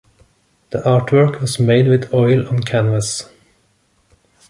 The artwork was made with oil on canvas.